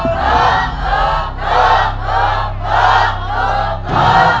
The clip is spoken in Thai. พูด